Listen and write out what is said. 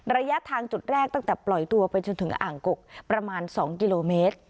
ระยะทางจุดแรกตั้งแต่ปล่อยตัวไปจนถึงอ่างกกประมาณ๒กิโลเมตร